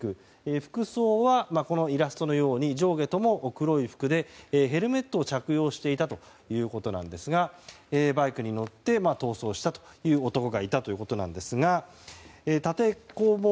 服装はこのイラストのように上下とも黒い服でヘルメットを着用していたということですがバイクに乗って逃走した男がいたということです。